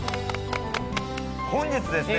本日ですね